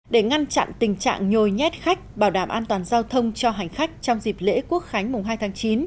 để ngăn chặn tình trạng nhồi nhét khách bảo đảm an toàn giao thông cho hành khách trong dịp lễ quốc khánh mùng hai tháng chín